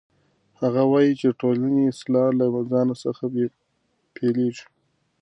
هغه وایي چې د ټولنې اصلاح له ځان څخه پیلیږي.